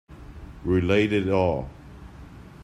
Relate it all.